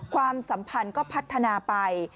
ความสัมพันธ์ก็พัฒนาไป